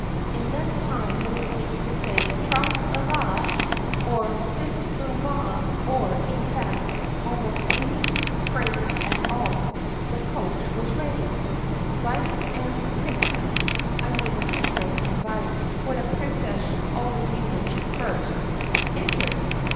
In less time than it takes to say "Tra! la! la!" or "Siss! boom! ah!" or in fact almost any phrase at all, the coach was ready. Violet and the Princess — I mean the Princess and Violet, for a princess should always be mentioned first — entered.